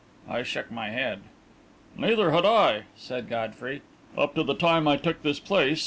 I shook my head. "Neither had I," said Godfrey, "up to the time I took this place.